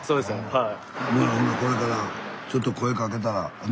はい。